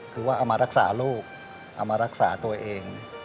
คือว่าเอามารักษาลูกเอามารักษาตัวเอง